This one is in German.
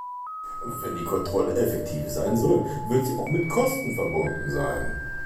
Wenn die Kontrolle effektiv sein soll, wird sie auch mit Kosten verbunden sein.